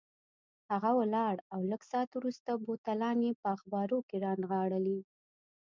هغه ولاړ او لږ ساعت وروسته بوتلان یې په اخبارو کې رانغاړلي.